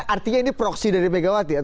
artinya ini proksi dari megawati